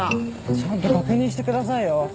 ちゃんと確認してくださいよ。